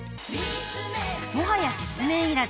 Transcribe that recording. ［もはや説明いらず。